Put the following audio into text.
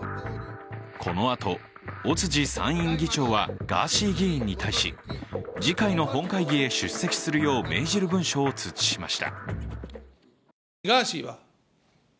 この後、尾辻参院議長はガーシー議員に対し次回の本会議へ出席するよう命じる文書を通知しました。